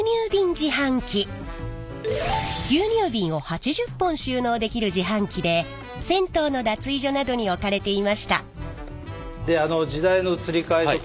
牛乳ビンを８０本収納できる自販機で銭湯の脱衣所などに置かれていました。